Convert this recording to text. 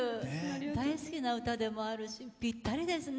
大好きな歌でもあるしぴったりですね。